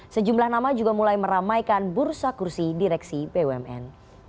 sejumlah nama juga mulai meramaikan bursa kursi direksi bumn